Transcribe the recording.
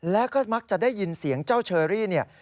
แล้วก็มักจะได้ยินเสียงเจ้าเชอรี่เนี่ย